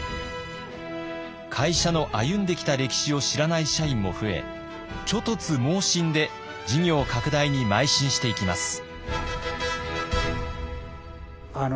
会社の歩んできた歴史を知らない社員も増え猪突猛進で事業拡大にまい進していきます。